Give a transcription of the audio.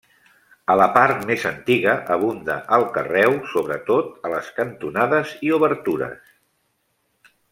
A la part més antiga abunda el carreu, sobretot a les cantonades i obertures.